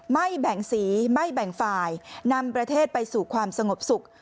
ไม่แบ่งสีไม่แบ่งฝ่ายนำประเทศไปสู่ความสงบสุข